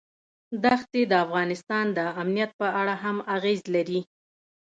دښتې د افغانستان د امنیت په اړه هم اغېز لري.